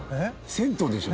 銭湯でしょ？